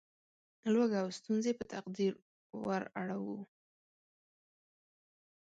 لوږه او ستونزې په تقدیر وراړوو.